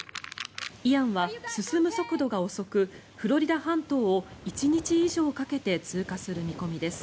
イアンは進む速度が遅くフロリダ半島を１日以上かけて通過する見込みです。